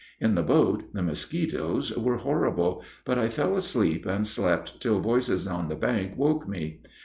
In the boat the mosquitos were horrible, but I fell asleep and slept till voices on the bank woke me.